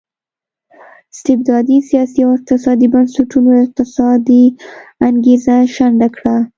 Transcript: استبدادي سیاسي او اقتصادي بنسټونو اقتصادي انګېزه شنډه کړه.